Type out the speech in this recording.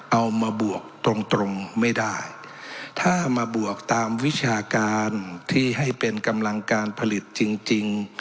มาบวกตรงตรงไม่ได้ถ้ามาบวกตามวิชาการที่ให้เป็นกำลังการผลิตจริงจริง